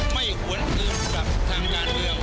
ไม่หวนอื่นกับทางงานเรียง